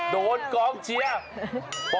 โดนกลองเชียร์